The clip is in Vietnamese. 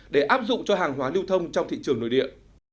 để áp dụng cho hàng hóa lưu thông trong thị trường nội địa